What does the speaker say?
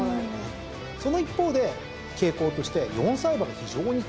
その一方で傾向として４歳馬が非常に強いんですよ。